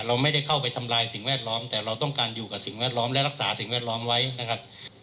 เราไม่ได้เข้าไปทำลายสิ่งแวดล้อมแต่เราต้องการอยู่กับสิ่งแวดล้อมและรักษาสิ่งแวดล้อมไว้นะครับ